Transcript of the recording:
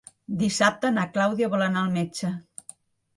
Dissabte na Clàudia vol anar al metge.